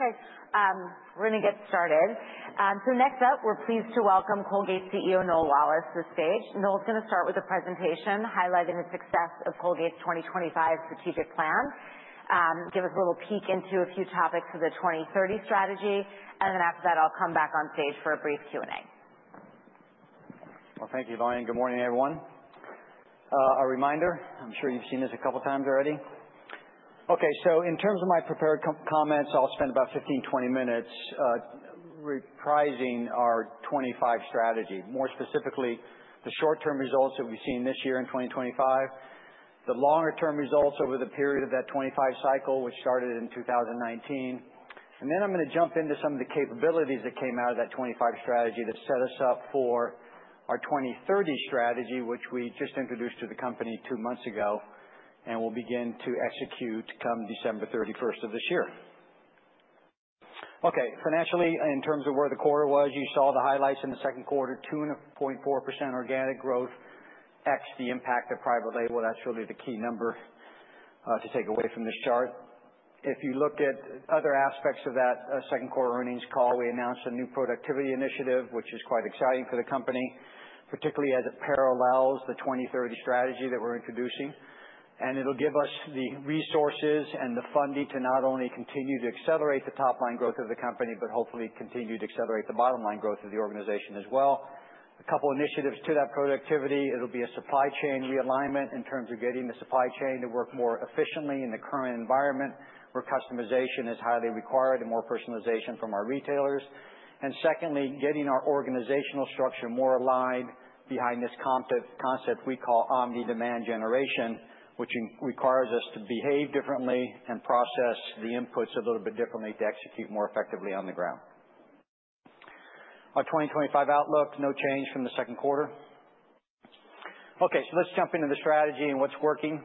Okay, we're going to get started. So next up, we're pleased to welcome Colgate CEO Noel Wallace to the stage. Noel's going to start with a presentation highlighting the success of Colgate's 2025 strategic plan, give us a little peek into a few topics of the 2030 strategy, and then after that, I'll come back on stage for a brief Q&A. Well, thank you, Diana. Good morning, everyone. A reminder, I'm sure you've seen this a couple of times already. In terms of my prepared comments, I'll spend about 15, 20 minutes, reprising our 2025 strategy, more specifically the short-term results that we've seen this year in 2025, the longer-term results over the period of that 2025 cycle, which started in 2019. Then I'm going to jump into some of the capabilities that came out of that 2025 strategy that set us up for our 2030 strategy, which we just introduced to the company two months ago and will begin to execute come December 31st of this year. Financially, in terms of where the quarter was, you saw the highlights in the second quarter: 2.4% organic growth, excluding the impact of private label. That's really the key number to take away from this chart. If you look at other aspects of that, second quarter earnings call, we announced a new productivity initiative, which is quite exciting for the company, particularly as it parallels the 2030 strategy that we're introducing. It'll give us the resources and the funding to not only continue to accelerate the top-line growth of the company, but hopefully continue to accelerate the bottom-line growth of the organization as well. A couple of initiatives to that productivity: it'll be a supply chain realignment in terms of getting the supply chain to work more efficiently in the current environment, where customization is highly required and more personalization from our retailers. Secondly, getting our organizational structure more aligned behind this concept we call omni-demand generation, which requires us to behave differently and process the inputs a little bit differently to execute more effectively on the ground. Our 2025 outlook: no change from the second quarter. Let's jump into the strategy and what's working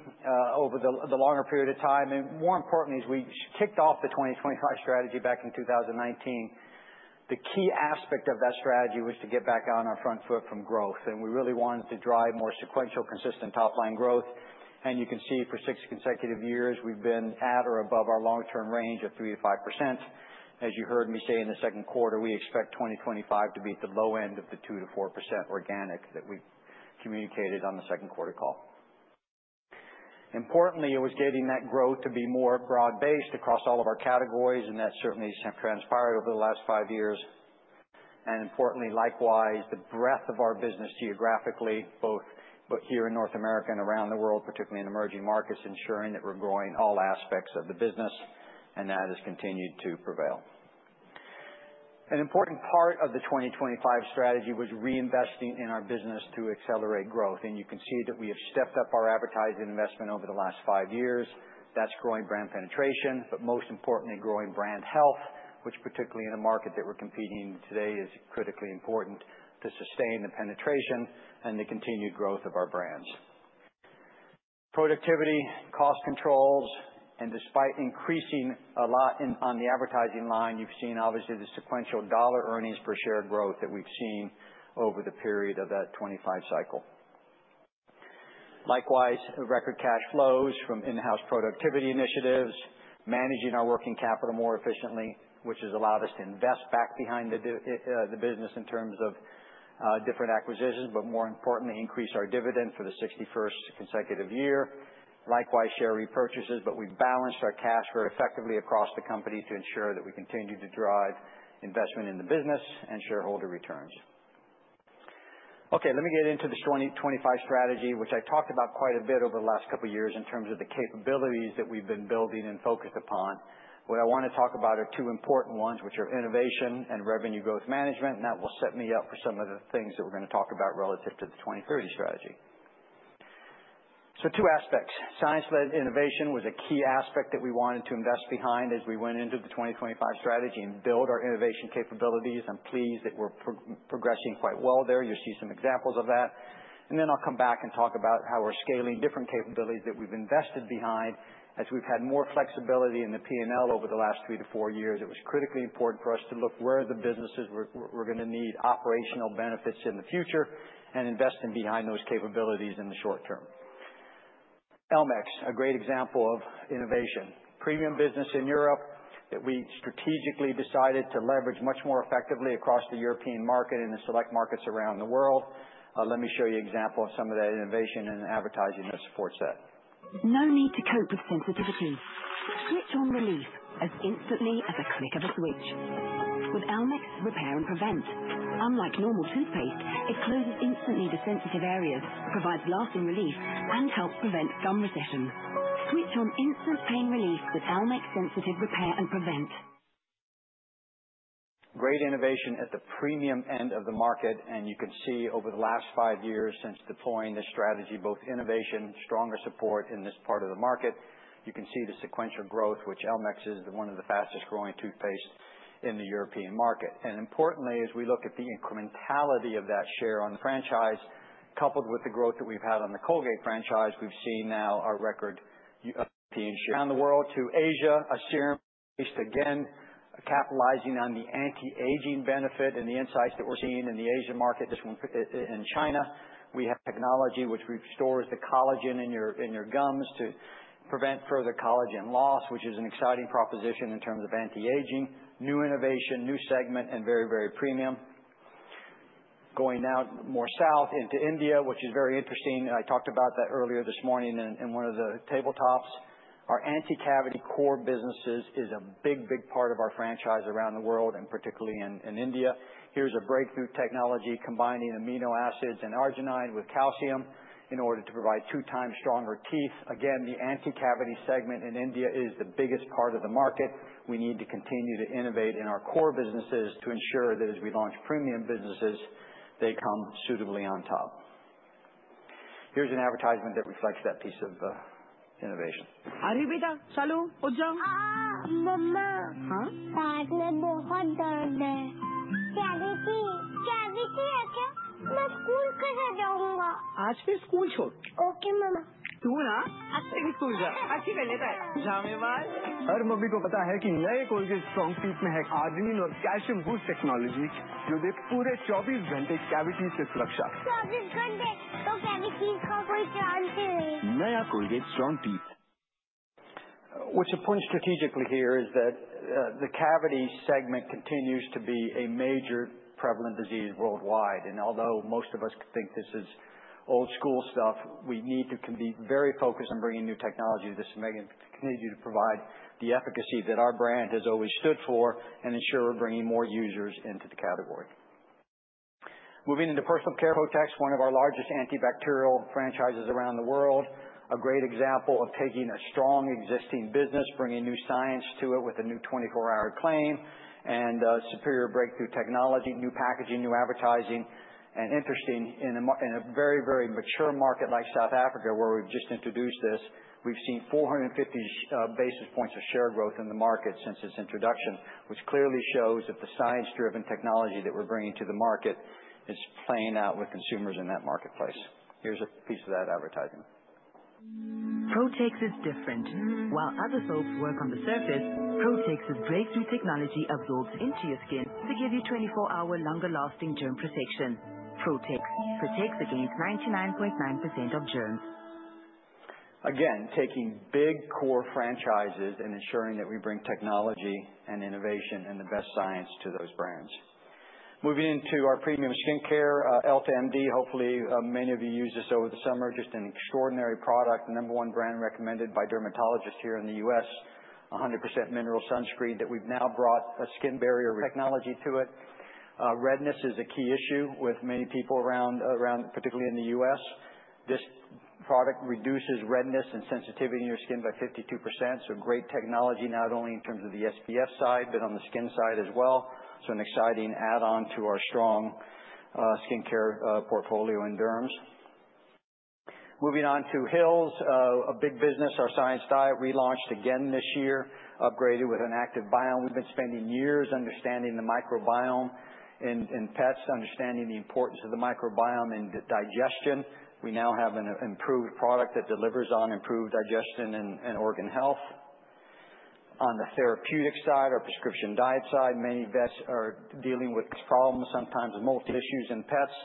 over the longer period of time. More importantly, as we kicked off the 2025 strategy back in 2019, the key aspect of that strategy was to get back on our front foot from growth. We really wanted to drive more sequential, consistent top-line growth. You can see for six consecutive years, we've been at or above our long-term range of 3%-5%. As you heard me say in the second quarter, we expect 2025 to be at the low end of the 2%-4% organic that we communicated on the second quarter call. Importantly, it was getting that growth to be more broad-based across all of our categories, and that certainly has transpired over the last five years. Importantly, likewise, the breadth of our business geographically, both here in North America and around the world, particularly in emerging markets, ensuring that we're growing all aspects of the business, and that has continued to prevail. An important part of the 2025 strategy was reinvesting in our business to accelerate growth. You can see that we have stepped up our advertising investment over the last five years. That's growing brand penetration, but most importantly, growing brand health, which particularly in a market that we're competing in today is critically important to sustain the penetration and the continued growth of our brands. Productivity, cost controls, and despite increasing a lot on the advertising line, you've seen obviously the sequential dollar earnings per share growth that we've seen over the period of that 2025 cycle. Likewise, record cash flows from in-house productivity initiatives, managing our working capital more efficiently, which has allowed us to invest back behind the business in terms of different acquisitions, but more importantly, increase our dividend for the 61st consecutive year. Likewise, share repurchases, but we balanced our cash very effectively across the company to ensure that we continue to drive investment in the business and shareholder returns. Let me get into this 2025 strategy, which I talked about quite a bit over the last couple of years in terms of the capabilities that we've been building and focused upon. What I want to talk about are two important ones, which are innovation and revenue growth management, and that will set me up for some of the things that we're going to talk about relative to the 2030 strategy. Two aspects: science-led innovation was a key aspect that we wanted to invest behind as we went into the 2025 strategy and build our innovation capabilities. I'm pleased that we're progressing quite well there. You'll see some examples of that. And then I'll come back and talk about how we're scaling different capabilities that we've invested behind as we've had more flexibility in the P&L over the last three to four years. It was critically important for us to look where the businesses were going to need operational benefits in the future and investing behind those capabilities in the short term. Elmex, a great example of innovation, premium business in Europe that we strategically decided to leverage much more effectively across the European market and the select markets around the world. Let me show you an example of some of that innovation and advertising that supports that. No need to cope with sensitivity. Switch on relief as instantly as a click of a switch. With Elmex, repair and prevent. Unlike normal toothpaste, it closes instantly to sensitive areas, provides lasting relief, and helps prevent gum recession. Switch on instant pain relief with Elmex Sensitive Repair and Prevent. Great innovation at the premium end of the market, and you can see over the last five years since deploying this strategy, both innovation, stronger support in this part of the market. You can see the sequential growth, which Elmex is one of the fastest growing toothpastes in the European market. Importantly, as we look at the incrementality of that share on the franchise, coupled with the growth that we've had on the Colgate franchise, we've seen now our record European share around the world to Asia, a serum based again, capitalizing on the anti-aging benefit and the insights that we're seeing in the Asian market. This one in China, we have technology which restores the collagen in your gums to prevent further collagen loss, which is an exciting proposition in terms of anti-aging. New innovation, new segment, and very, very premium. Going now more south into India, which is very interesting. I talked about that earlier this morning in one of the tabletops. Our anti-cavity core business is a big, big part of our franchise around the world, and particularly in India. Here's a breakthrough technology combining amino acids and arginine with calcium in order to provide two times stronger teeth. Again, the anti-cavity segment in India is the biggest part of the market. We need to continue to innovate in our core businesses to ensure that as we launch premium businesses, they come suitably on top. Here's an advertisement that reflects that piece of innovation. अरे बेटा, चलो, उठ जाओ। आ, मम्मा। हां? बाद में बहुत दर्द है। कैविटी, कैविटी है क्या? मैं स्कूल कैसे जाऊंगा? आज फिर स्कूल छोड़। ओके, मम्मा। तू ना, अच्छे स्कूल जा। अच्छी गले आए। जा मेरे पास। हर मम्मी को पता है कि नए कोलगेट स्ट्रॉन्ग टीथ में है आर्जिनिन और कैल्शियम बूस्ट टेक्नोलॉजी, जो देती है पूरे 24 घंटे कैविटी से सुरक्षा। 24 घंटे तो कैविटीज का कोई चांस ही नहीं। नया Colgate strong teeth. What's important strategically here is that the cavity segment continues to be a major prevalent disease worldwide. Although most of us think this is old-school stuff, we need to be very focused on bringing new technology to this segment and continue to provide the efficacy that our brand has always stood for and ensure we're bringing more users into the category. Moving into personal care products, one of our largest antibacterial franchises around the world, a great example of taking a strong existing business, bringing new science to it with a new 24-hour claim and superior breakthrough technology, new packaging, new advertising. Interesting, in a very, very mature market like South Africa, where we've just introduced this, we've seen 450 basis points of share growth in the market since its introduction, which clearly shows that the science-driven technology that we're bringing to the market is playing out with consumers in that marketplace. Here's a piece of that advertising. Protex is different. While other soaps work on the surface, Protex's breakthrough technology absorbs into your skin to give you 24-hour longer-lasting germ protection. Protex protects against 99.9% of germs. Again, taking big core franchises and ensuring that we bring technology and innovation and the best science to those brands. Moving into our premium skincare, EltaMD, hopefully many of you used this over the summer, just an extraordinary product, number one brand recommended by dermatologists here in the U.S., 100% mineral sunscreen that we've now brought a skin barrier technology to it. Redness is a key issue with many people around, particularly in the U.S. This product reduces redness and sensitivity in your skin by 52%. Great technology, not only in terms of the SPF side, but on the skin side as well. An exciting add-on to our strong skincare portfolio in derms. Moving on to Hill's, a big business, our Science Diet relaunched again this year, upgraded with an active biome. We've been spending years understanding the microbiome in pets, understanding the importance of the microbiome and digestion. We now have an improved product that delivers on improved digestion and organ health. On the therapeutic side, our Prescription Diet side, many vets are dealing with problems, sometimes multi-issues in pets.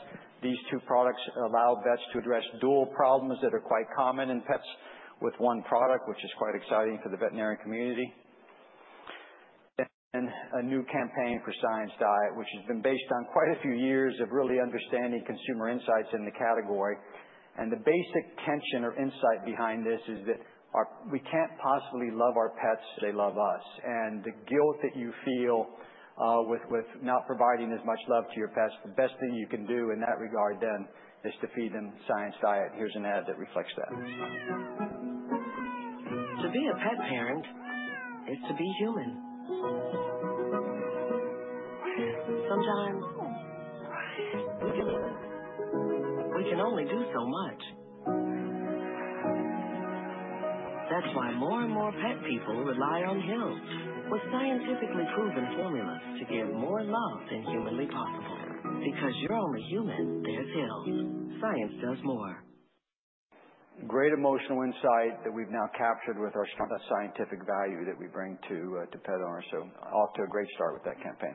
These two products allow vets to address dual problems that are quite common in pets with one product, which is quite exciting for the veterinarian community. And a new campaign for Science Diet, which has been based on quite a few years of really understanding consumer insights in the category. The basic tension or insight behind this is that we can't possibly love our pets as they love us. The guilt that you feel with not providing as much love to your pets, the best thing you can do in that regard then is to feed them Science Diet. Here's an ad that reflects that. To be a pet parent is to be human. Sometimes we feel like we can only do so much. That's why more and more pet people rely on Hill's, with scientifically proven formulas to give more love than humanly possible. Because you're only human, there's Hill's. Science does more. Great emotional insight that we've now captured with our scientific value that we bring to pet owners. Off to a great start with that campaign.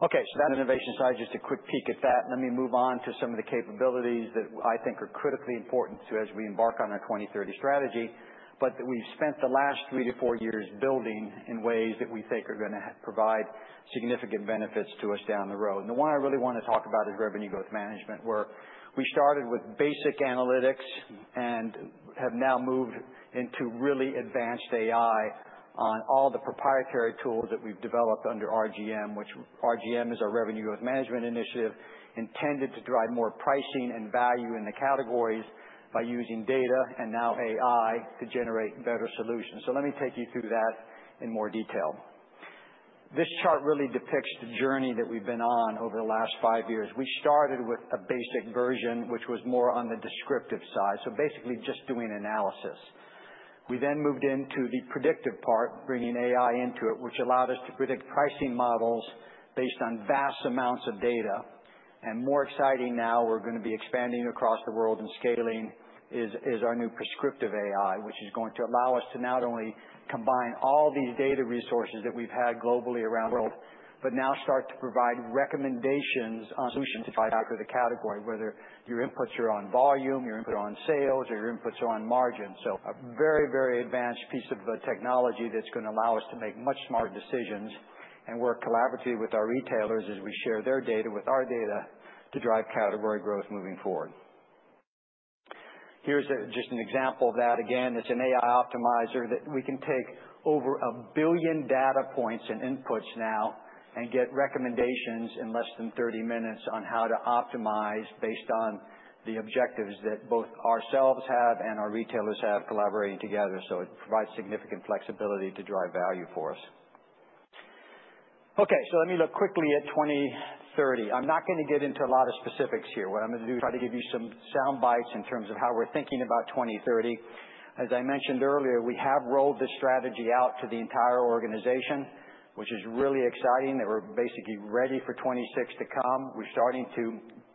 That's innovation side, just a quick peek at that. Let me move on to some of the capabilities that I think are critically important as we embark on our 2030 strategy, but that we've spent the last three to four years building in ways that we think are going to provide significant benefits to us down the road. The one I really want to talk about is revenue growth management, where we started with basic analytics and have now moved into really advanced AI on all the proprietary tools that we've developed under RGM, which RGM is our revenue growth management initiative intended to drive more pricing and value in the categories by using data and now AI to generate better solutions. So let me take you through that in more detail. This chart really depicts the journey that we've been on over the last five years. We started with a basic version, which was more on the descriptive side, so basically just doing analysis. We then moved into the predictive part, bringing AI into it, which allowed us to predict pricing models based on vast amounts of data. More exciting now, we're going to be expanding across the world and scaling our new prescriptive AI, which is going to allow us to not only combine all these data resources that we've had globally around the world, but now start to provide recommendations on solutions to find out for the category, whether your inputs are on volume, your inputs are on sales, or your inputs are on margin. So a very advanced piece of technology that's going to allow us to make much smarter decisions and work collaboratively with our retailers as we share their data with our data to drive category growth moving forward. Here's just an example of that. Again, it's an AI optimizer that we can take over a billion data points and inputs now and get recommendations in less than 30 minutes on how to optimize based on the objectives that both ourselves have and our retailers have collaborating together. It provides significant flexibility to drive value for us. Let me look quickly at 2030. I'm not going to get into a lot of specifics here. What I'm going to do is try to give you some sound bites in terms of how we're thinking about 2030. As I mentioned earlier, we have rolled this strategy out to the entire organization, which is really exciting. We're basically ready for 2026 to come. We're starting to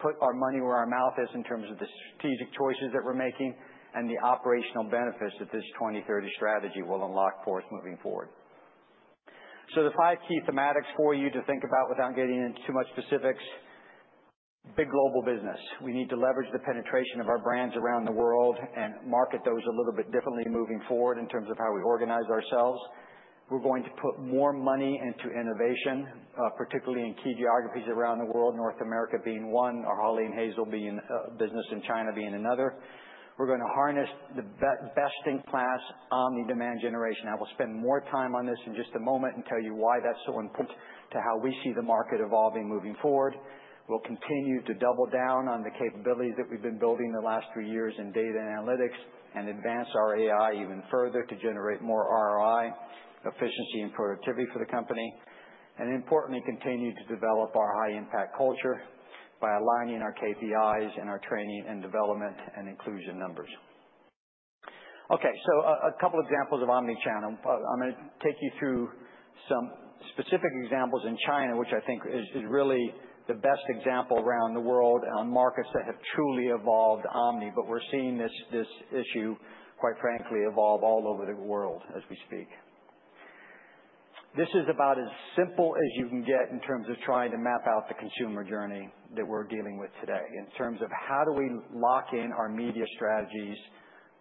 put our money where our mouth is in terms of the strategic choices that we're making and the operational benefits that this 2030 strategy will unlock for us moving forward. The five key thematics for you to think about without getting into too much specifics: big global business. We need to leverage the penetration of our brands around the world and market those a little bit differently moving forward in terms of how we organize ourselves. We're going to put more money into innovation, particularly in key geographies around the world, North America being one, our Hawley & Hazel being a business, and China being another. We're going to harness the best in class omni demand generation. I will spend more time on this in just a moment and tell you why that's so important to how we see the market evolving moving forward. We'll continue to double down on the capabilities that we've been building the last three years in data analytics and advance our AI even further to generate more ROI, efficiency, and productivity for the company. And importantly, continue to develop our high-impact culture by aligning our KPIs and our training and development and inclusion numbers. A couple of examples of omnichannel. I'm going to take you through some specific examples in China, which I think is really the best example around the world on markets that have truly evolved omni, but we're seeing this issue, quite frankly, evolve all over the world as we speak. This is about as simple as you can get in terms of trying to map out the consumer journey that we're dealing with today in terms of how do we lock in our media strategies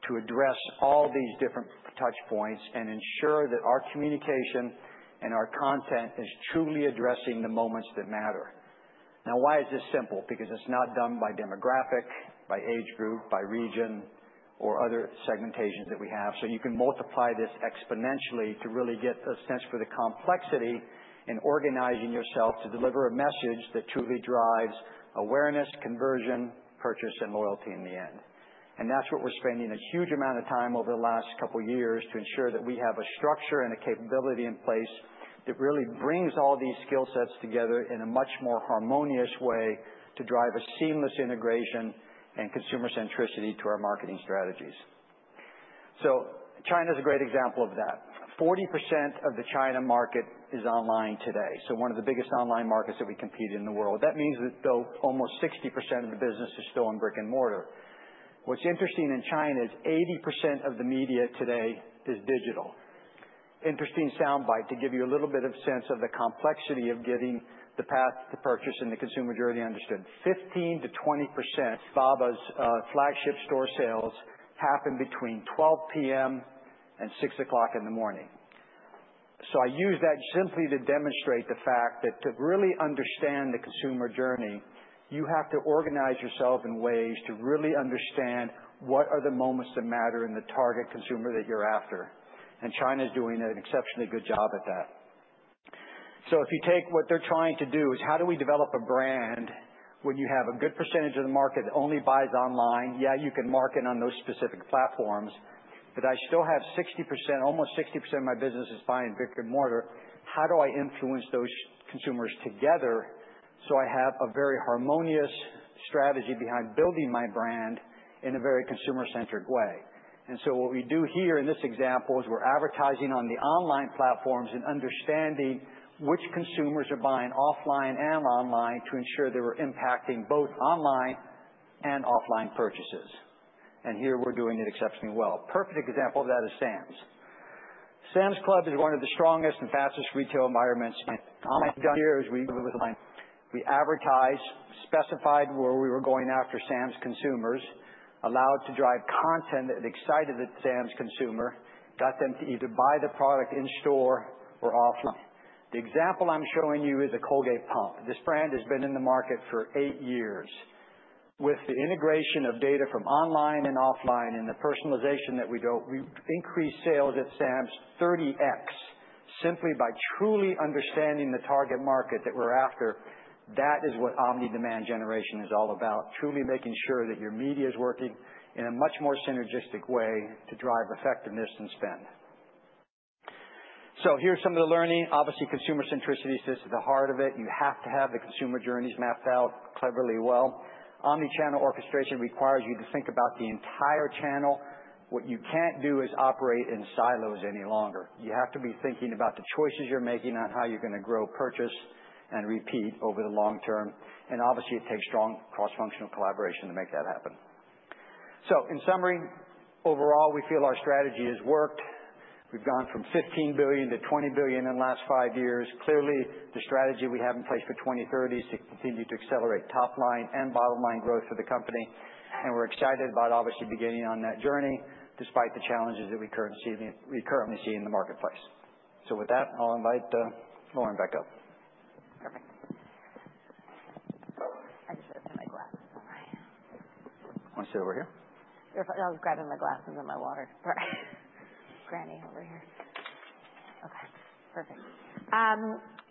to address all these different touch points and ensure that our communication and our content is truly addressing the moments that matter. Now, why is this simple? Because it's not done by demographic, by age group, by region, or other segmentations that we have. So you can multiply this exponentially to really get a sense for the complexity in organizing yourself to deliver a message that truly drives awareness, conversion, purchase, and loyalty in the end. That's what we're spending a huge amount of time over the last couple of years to ensure that we have a structure and a capability in place that really brings all these skill sets together in a much more harmonious way to drive a seamless integration and consumer centricity to our marketing strategies. China is a great example of that. 40% of the China market is online today. One of the biggest online markets that we compete in the world. That means that though almost 60% of the business is still in brick and mortar. What's interesting in China is 80% of the media today is digital. Interesting sound bite to give you a little bit of sense of the complexity of getting the path to purchase and the consumer journey understood. 15%-20% of Baba's flagship store sales happen between 12:00 PM and 6:00 in the morning. I use that simply to demonstrate the fact that to really understand the consumer journey, you have to organize yourself in ways to really understand what are the moments that matter in the target consumer that you're after. China's doing an exceptionally good job at that. If you take what they're trying to do is how do we develop a brand when you have a good percentage of the market that only buys online? Yeah, you can market on those specific platforms, but I still have almost 60% of my business buying brick and mortar. How do I influence those consumers together so I have a very harmonious strategy behind building my brand in a very consumer-centric way? What we do here in this example is we're advertising on the online platforms and understanding which consumers are buying offline and online to ensure that we're impacting both online and offline purchases. Here we're doing it exceptionally well. Perfect example of that is Sam's. Sam's Club is one of the strongest and fastest retail environments. All I've done here is we go online. We advertise, specified where we were going after Sam's consumers, allowed to drive content that excited that Sam's consumer, got them to either buy the product in store or online. The example I'm showing you is a Colgate Pump. This brand has been in the market for eight years. With the integration of data from online and offline and the personalization that we do, we've increased sales at Sam's 30X simply by truly understanding the target market that we're after. That is what omni demand generation is all about, truly making sure that your media is working in a much more synergistic way to drive effectiveness and spend. So here's some of the learning. Obviously, consumer centricity, this is the heart of it. You have to have the consumer journeys mapped out cleverly well. Omni channel orchestration requires you to think about the entire channel. What you can't do is operate in silos any longer. You have to be thinking about the choices you're making on how you're going to grow, purchase, and repeat over the long term. Obviously, it takes strong cross-functional collaboration to make that happen. In summary, overall, we feel our strategy has worked. We've gone from $15 billion-$20 billion in the last five years. Clearly, the strategy we have in place for 2030 is to continue to accelerate top-line and bottom-line growth for the company. We're excited about obviously beginning on that journey despite the challenges that we currently see in the marketplace. With that, I'll invite Lauren back up. Perfect. I just got to put my glasses on. Want to sit over here? You're fine. I was grabbing my glasses and my water. Sorry. Granny over here. Okay, perfect.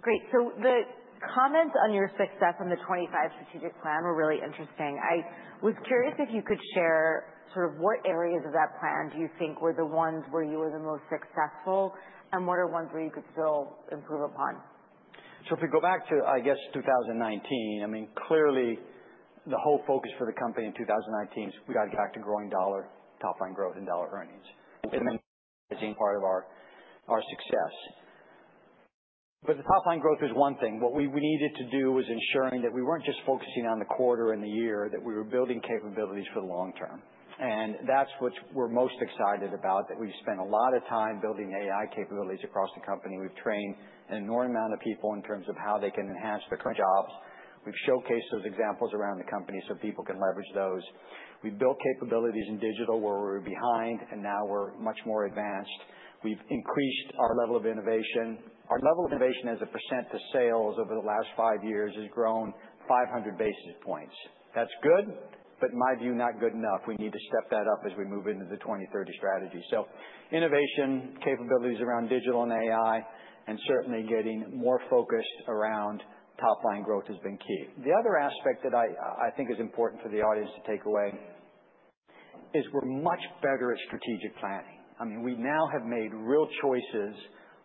Great. The comments on your success on the 2025 strategic plan were really interesting. I was curious if you could share sort of what areas of that plan do you think were the ones where you were the most successful and what are ones where you could still improve upon? If we go back to, I guess, 2019, I mean, clearly, the whole focus for the company in 2019 is we got to get back to growing dollar, top-line growth, and dollar earnings. It's the main part of our success. But the top-line growth is one thing. What we needed to do was ensuring that we weren't just focusing on the quarter and the year, that we were building capabilities for the long term. And that's what we're most excited about, that we spent a lot of time building AI capabilities across the company. We've trained an enormous amount of people in terms of how they can enhance their current jobs. We've showcased those examples around the company so people can leverage those. We built capabilities in digital where we were behind, and now we're much more advanced. We've increased our level of innovation. Our level of innovation as a percent to sales over the last five years has grown 500 basis points. That's good, but in my view, not good enough. We need to step that up as we move into the 2030 strategy. Innovation, capabilities around digital and AI, and certainly getting more focused around top-line growth has been key. The other aspect that I think is important for the audience to take away is we're much better at strategic planning. I mean, we now have made real choices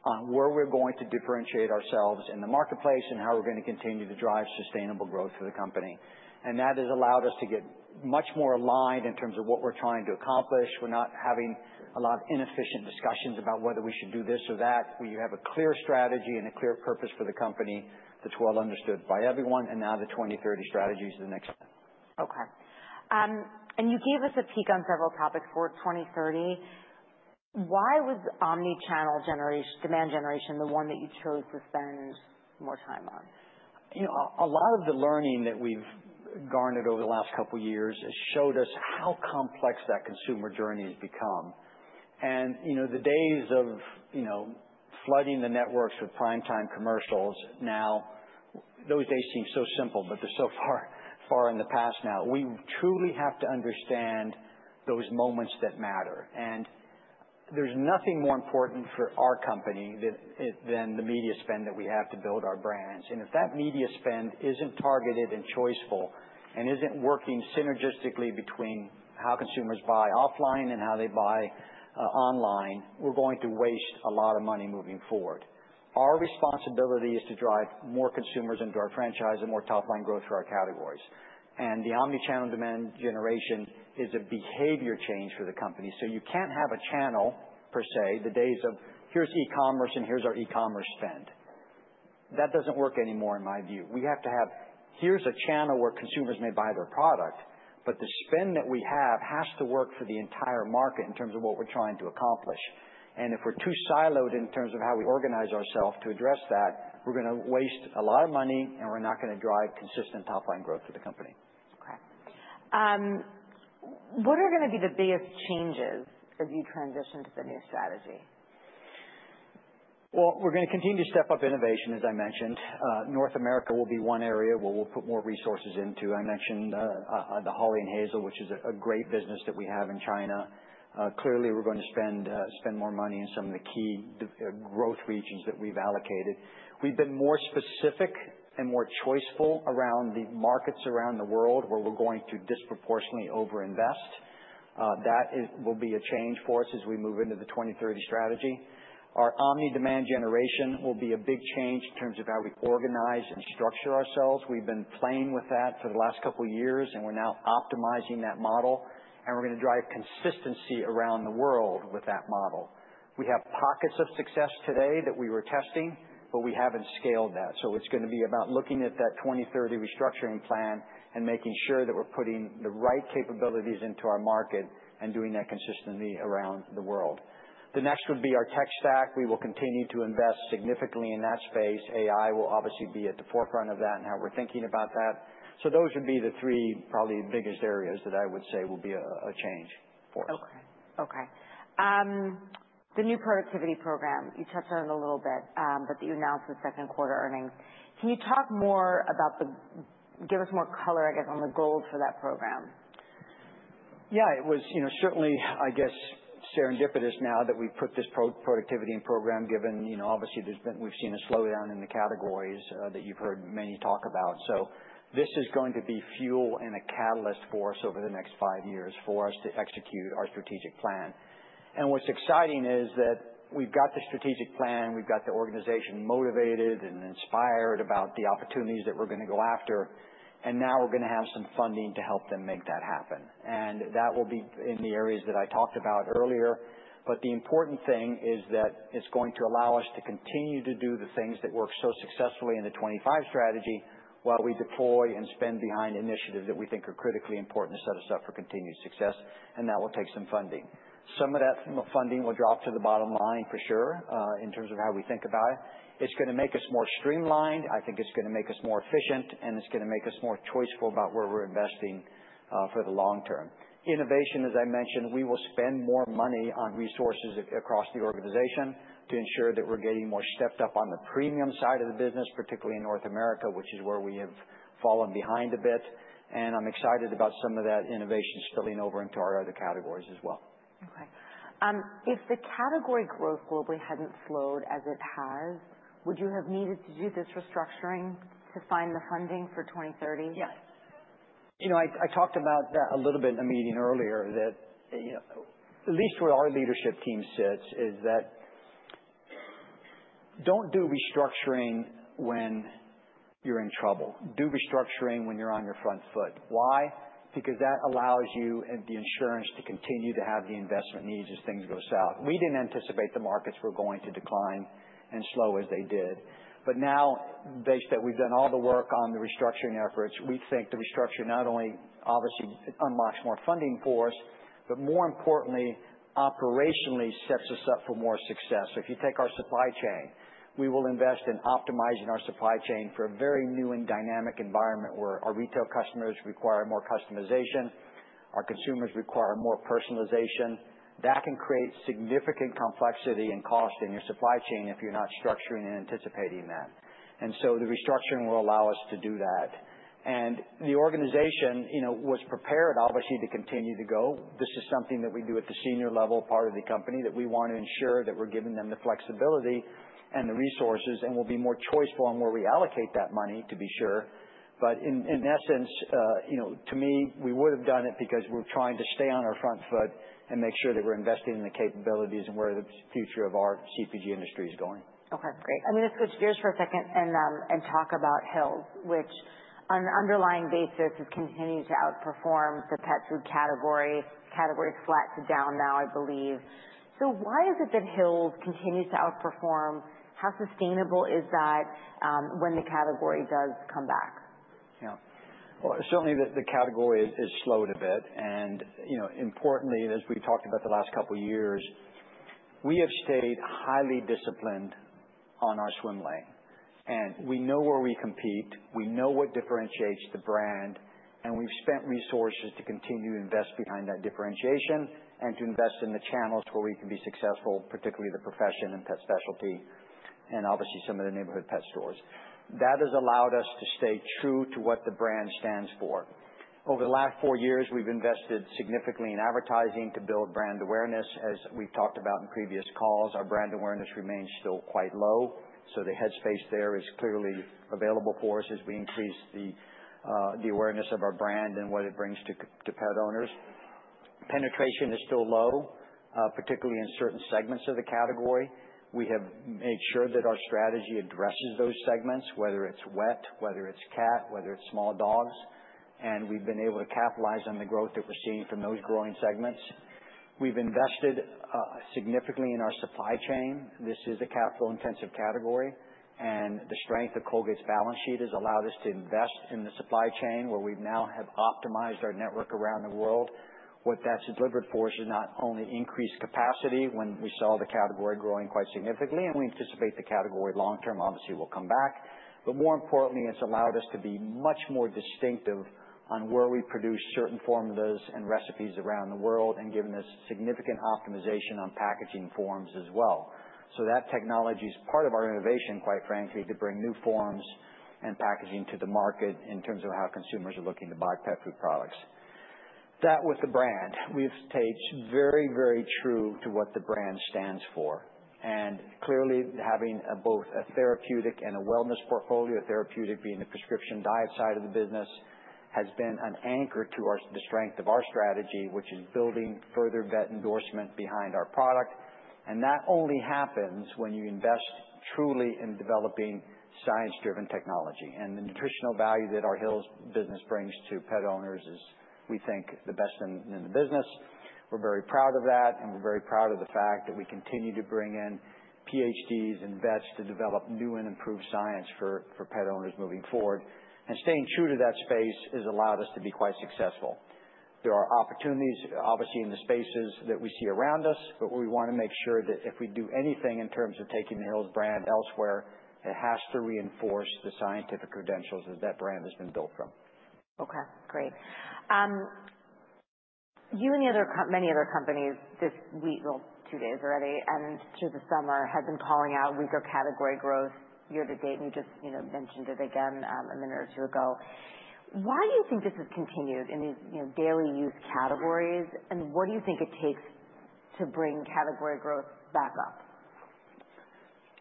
on where we're going to differentiate ourselves in the marketplace and how we're going to continue to drive sustainable growth for the company. That has allowed us to get much more aligned in terms of what we're trying to accomplish. We're not having a lot of inefficient discussions about whether we should do this or that. We have a clear strategy and a clear purpose for the company that's well understood by everyone. And now the 2030 strategy is the next step. Okay, and you gave us a peek on several topics for 2030. Why was omni-channel demand generation the one that you chose to spend more time on? You know, a lot of the learning that we've garnered over the last couple of years has showed us how complex that consumer journey has become. The days of flooding the networks with prime-time commercials, now those days seem so simple, but they're so far in the past now. We truly have to understand those moments that matter. There's nothing more important for our company than the media spend that we have to build our brands. If that media spend isn't targeted and choiceful and isn't working synergistically between how consumers buy offline and how they buy online, we're going to waste a lot of money moving forward. Our responsibility is to drive more consumers into our franchise and more top-line growth for our categories. The omni channel demand generation is a behavior change for the company. You can't have a channel per se, the days of, "Here's e-commerce and here's our e-commerce spend." That doesn't work anymore in my view. We have to have, "Here's a channel where consumers may buy their product," but the spend that we have has to work for the entire market in terms of what we're trying to accomplish. If we're too siloed in terms of how we organize ourselves to address that, we're going to waste a lot of money and we're not going to drive consistent top-line growth for the company. Okay. What are going to be the biggest changes as you transition to the new strategy? We're going to continue to step up innovation, as I mentioned. North America will be one area where we'll put more resources into. I mentioned the Hawley & Hazel, which is a great business that we have in China. Clearly, we're going to spend more money in some of the key growth regions that we've allocated. We've been more specific and more choiceful around the markets around the world where we're going to disproportionately overinvest. That will be a change for us as we move into the 2030 strategy. Our omni demand generation will be a big change in terms of how we organize and structure ourselves. We've been playing with that for the last couple of years, and we're now optimizing that model. We're going to drive consistency around the world with that model. We have pockets of success today that we were testing, but we haven't scaled that. It's going to be about looking at that 2030 restructuring plan and making sure that we're putting the right capabilities into our market and doing that consistently around the world. The next would be our tech stack. We will continue to invest significantly in that space. AI will obviously be at the forefront of that and how we're thinking about that. Those would be the three probably biggest areas that I would say will be a change for us. Okay. Okay. The new productivity program, you touched on it a little bit, but that you announced the second quarter earnings. Can you talk more about the, give us more color, I guess, on the goals for that program? Yeah, it was, you know, certainly, I guess, serendipitous now that we've put this productivity program in, given, you know, obviously, there's been, we've seen a slowdown in the categories that you've heard many talk about. So this is going to be fuel and a catalyst for us over the next five years for us to execute our strategic plan. What's exciting is that we've got the strategic plan, we've got the organization motivated and inspired about the opportunities that we're going to go after, and now we're going to have some funding to help them make that happen. That will be in the areas that I talked about earlier. But the important thing is that it's going to allow us to continue to do the things that worked so successfully in the 2025 strategy while we deploy and spend behind initiatives that we think are critically important to set us up for continued success, and that will take some funding. Some of that funding will drop to the bottom line for sure, in terms of how we think about it. It's going to make us more streamlined. I think it's going to make us more efficient, and it's going to make us more choiceful about where we're investing, for the long term. Innovation, as I mentioned, we will spend more money on resources across the organization to ensure that we're getting more stepped up on the premium side of the business, particularly in North America, which is where we have fallen behind a bit. I'm excited about some of that innovation spilling over into our other categories as well. Okay. If the category growth globally hadn't slowed as it has, would you have needed to do this restructuring to find the funding for 2030? Yes. You know, I talked about that a little bit in a meeting earlier that, you know, at least where our leadership team sits is that don't do restructuring when you're in trouble. Do restructuring when you're on your front foot. Why? Because that allows you and the insurance to continue to have the investment needs as things go south. We didn't anticipate the markets were going to decline and slow as they did. But now, based that we've done all the work on the restructuring efforts, we think the restructuring not only obviously unlocks more funding for us, but more importantly, operationally sets us up for more success. If you take our supply chain, we will invest in optimizing our supply chain for a very new and dynamic environment where our retail customers require more customization, our consumers require more personalization. That can create significant complexity and cost in your supply chain if you're not structuring and anticipating that. The restructuring will allow us to do that. The organization was prepared obviously to continue to go. This is something that we do at the senior level part of the company that we want to ensure that we're giving them the flexibility and the resources and will be more choiceful on where we allocate that money to be sure. In essence, to me, we would have done it because we're trying to stay on our front foot and make sure that we're investing in the capabilities and where the future of our CPG industry is going. Okay. Great. I'm going to switch gears for a second and talk about Hill's, which on an underlying basis has continued to outperform the pet food category. Category's flat to down now, I believe. So why is it that Hill's continues to outperform? How sustainable is that, when the category does come back? Well, certainly the category has slowed a bit. Importantly, as we talked about the last couple of years, we have stayed highly disciplined on our swim lane. We know where we compete. We know what differentiates the brand. We've spent resources to continue to invest behind that differentiation and to invest in the channels where we can be successful, particularly the profession and pet specialty and obviously some of the neighborhood pet stores. That has allowed us to stay true to what the brand stands for. Over the last four years, we've invested significantly in advertising to build brand awareness. As we've talked about in previous calls, our brand awareness remains still quite low. So the headspace there is clearly available for us as we increase the awareness of our brand and what it brings to pet owners. Penetration is still low, particularly in certain segments of the category. We have made sure that our strategy addresses those segments, whether it's wet, whether it's cat, whether it's small dogs. We've been able to capitalize on the growth that we're seeing from those growing segments. We've invested significantly in our supply chain. This is a capital-intensive category. The strength of Colgate's balance sheet has allowed us to invest in the supply chain where we now have optimized our network around the world. What that's delivered for us is not only increased capacity when we saw the category growing quite significantly, and we anticipate the category long term obviously will come back. But more importantly, it's allowed us to be much more distinctive on where we produce certain formulas and recipes around the world and given us significant optimization on packaging forms as well. That technology is part of our innovation, quite frankly, to bring new forms and packaging to the market in terms of how consumers are looking to buy pet food products. With the brand, we've stayed very, very true to what the brand stands for. Clearly, having both a therapeutic and a wellness portfolio, therapeutic being the Prescription Diet side of the business, has been an anchor to the strength of our strategy, which is building further vet endorsement behind our product. That only happens when you invest truly in developing science-driven technology. The nutritional value that our Hill's business brings to pet owners is, we think, the best in the business. We're very proud of that, and we're very proud of the fact that we continue to bring in PhDs and vets to develop new and improved science for pet owners moving forward. Staying true to that space has allowed us to be quite successful. There are opportunities, obviously, in the spaces that we see around us, but we want to make sure that if we do anything in terms of taking the Hill's brand elsewhere, it has to reinforce the scientific credentials that that brand has been built from. Great. You and many other companies this week, well, two days already, and through the summer, have been calling out weaker category growth year to date. You just mentioned it again, a minute or two ago. Why do you think this has continued in these daily use categories? What do you think it takes to bring category growth back up?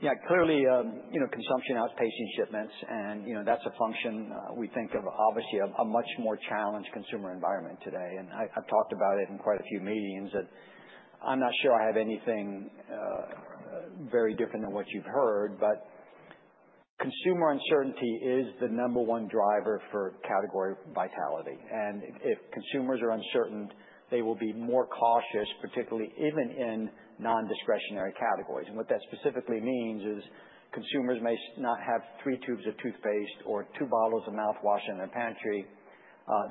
Yeah. Clearly, you know, consumption outpacing shipments. That's a function, we think of obviously a much more challenged consumer environment today. I've talked about it in quite a few meetings. I'm not sure I have anything very different than what you've heard, but consumer uncertainty is the number one driver for category vitality. If consumers are uncertain, they will be more cautious, particularly even in non-discretionary categories. What that specifically means is consumers may not have three tubes of toothpaste or two bottles of mouthwash in their pantry.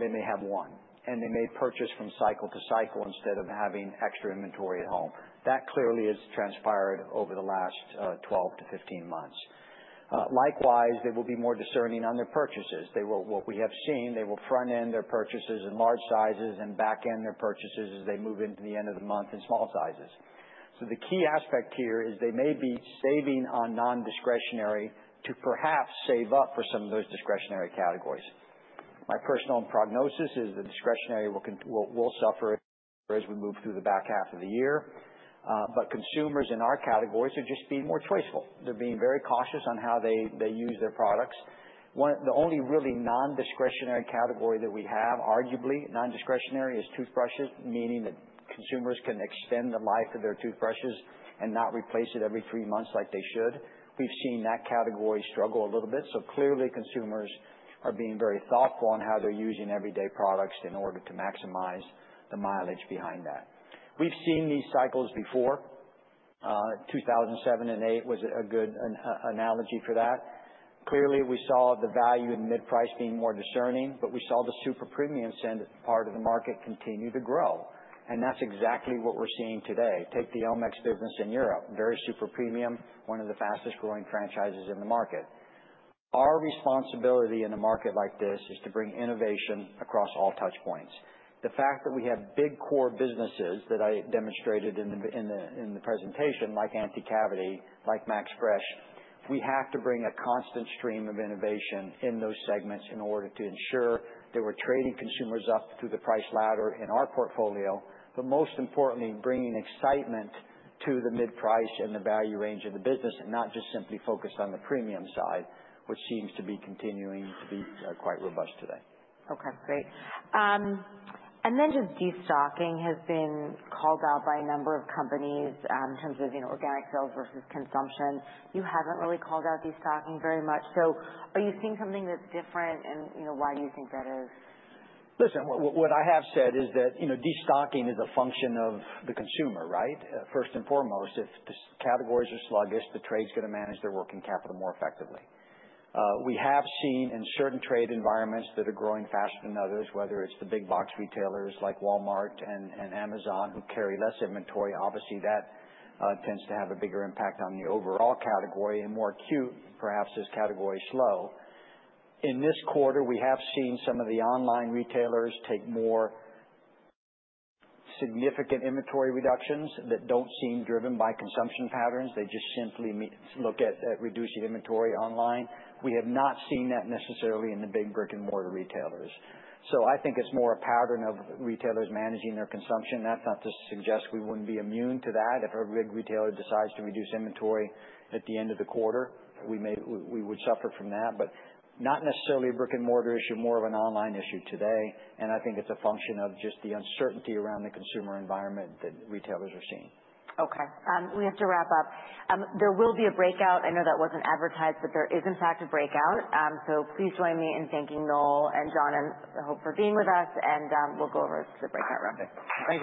They may have one. They may purchase from cycle to cycle instead of having extra inventory at home. That clearly has transpired over the last 12 months-15 months. Likewise, they will be more discerning on their purchases. They will, what we have seen, they will front-end their purchases in large sizes and back-end their purchases as they move into the end of the month in small sizes. So the key aspect here is they may be saving on non-discretionary to perhaps save up for some of those discretionary categories. My personal prognosis is the discretionary will suffer as we move through the back half of the year, but consumers in our categories are just being more choiceful. They're being very cautious on how they use their products. The only really non-discretionary category that we have, arguably non-discretionary, is toothbrushes, meaning that consumers can extend the life of their toothbrushes and not replace it every three months like they should. We've seen that category struggle a little bit. Clearly, consumers are being very thoughtful on how they're using everyday products in order to maximize the mileage behind that. We've seen these cycles before. 2007 and 2008 was a good analogy for that. Clearly, we saw the value and mid-price being more discerning, but we saw the super premium part of the market continue to grow. That's exactly what we're seeing today. Take the Elmex business in Europe. Very super premium, one of the fastest growing franchises in the market. Our responsibility in a market like this is to bring innovation across all touch points. The fact that we have big core businesses that I demonstrated in the presentation, like Anticavity, like MaxFresh, we have to bring a constant stream of innovation in those segments in order to ensure that we're trading consumers up through the price ladder in our portfolio, but most importantly, bringing excitement to the mid-price and the value range of the business and not just simply focused on the premium side, which seems to be continuing to be quite robust today. Great. And then just destocking has been called out by a number of companies, in terms of organic sales versus consumption. You haven't really called out destocking very much. So are you seeing something that's different? And why do you think that is? Listen, what I have said is that, you know, destocking is a function of the consumer, right? First and foremost, if the categories are sluggish, the trade's going to manage their working capital more effectively. We have seen in certain trade environments that are growing faster than others, whether it's the big box retailers like Walmart and Amazon who carry less inventory. Obviously, that tends to have a bigger impact on the overall category and more acute, perhaps, as category slow. In this quarter, we have seen some of the online retailers take more significant inventory reductions that don't seem driven by consumption patterns. They just simply look at reducing inventory online. We have not seen that necessarily in the big brick-and-mortar retailers. I think it's more a pattern of retailers managing their consumption. That's not to suggest we wouldn't be immune to that. If a big retailer decides to reduce inventory at the end of the quarter, we would suffer from that. But not necessarily a brick-and-mortar issue, more of an online issue today. I think it's a function of just the uncertainty around the consumer environment that retailers are seeing. Okay, we have to wrap up. There will be a breakout. I know that wasn't advertised, but there is, in fact, a breakout. So please join me in thanking Noel and John and Hope for being with us. We'll go over to the breakout room. Okay. Thank you.